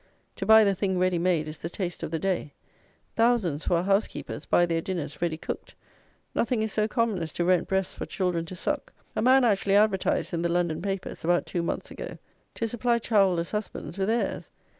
To buy the thing, ready made, is the taste of the day; thousands, who are housekeepers, buy their dinners ready cooked; nothing is so common as to rent breasts for children to suck: a man actually advertised, in the London papers, about two month ago, to supply childless husbands with heirs!